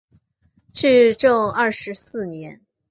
至正二十四年。